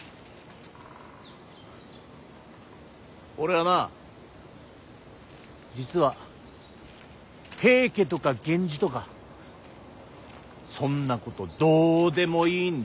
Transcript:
俺はな実は平家とか源氏とかそんなことどうでもいいんだ。